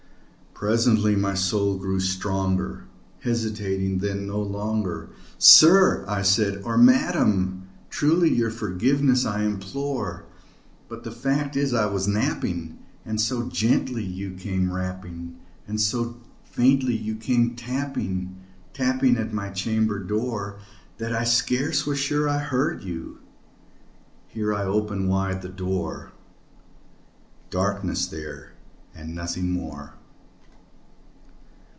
Presently my soul grew stronger; hesitating then no longer, "Sir," said I, "or Madam, truly your forgiveness I implore; But the fact is I was napping, and so gently you came rapping, And so faintly you came tapping tapping at my chamber door, That I scarce was sure I heard you" here I opened wide the door: Darkness there and nothing more.